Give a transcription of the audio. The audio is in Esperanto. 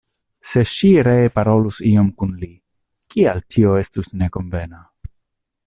Se ŝi ree parolus iom kun li, kial tio estus ne konvena?